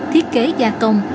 thiết kế gia công